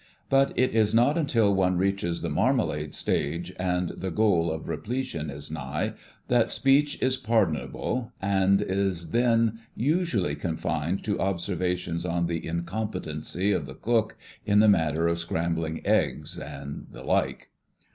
But it is not until one reaches the marmalade stage, and the goal of repletion is nigh, that speech is pardonable, and is then usually confined to observations on the incompetency of the cook in the matter of scrambling eggs and the like.